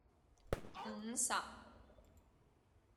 五十